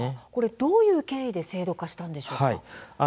どういう経緯で制度化したんでしょうか。